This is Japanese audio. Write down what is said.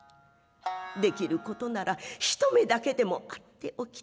出来る事なら一目だけでも逢っておきたい。